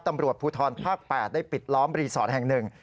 ตำรวจภูทรภาค๘ได้ปิดล้อมรีสอร์ทแห่งหนึ่ง